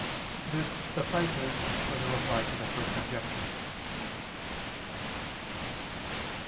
This suffices for the Reply to the First Objection.